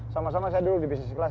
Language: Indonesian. sama sama saya dulu di bisnis kelas